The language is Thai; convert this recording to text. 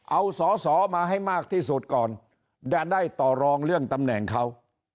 เอาสอสอมาให้มากที่สุดก่อนจะได้ต่อรองเรื่องตำแหน่งเขา